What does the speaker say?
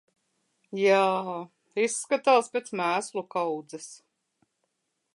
Jā, izskatās pēc mēslu kaudzes.